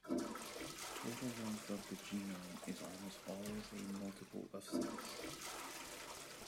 The total length of the genome is almost always a multiple of six.